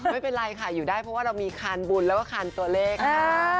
ไม่เป็นไรค่ะอยู่ได้เพราะว่าเรามีคานบุญแล้วก็คานตัวเลขค่ะ